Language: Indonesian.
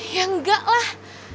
ya enggak lah